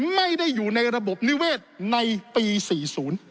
ไม่ได้อยู่ในระบบนิเวศในปี๔๐